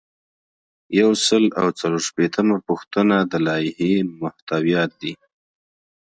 یو سل او څلور شپیتمه پوښتنه د لایحې محتویات دي.